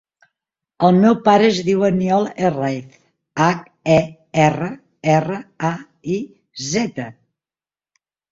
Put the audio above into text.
El meu pare es diu Aniol Herraiz: hac, e, erra, erra, a, i, zeta.